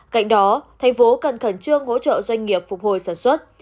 cạnh đó thành phố cần khẩn trương hỗ trợ doanh nghiệp phục hồi sản xuất